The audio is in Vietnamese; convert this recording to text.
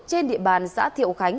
trên địa bàn xã thiệu khánh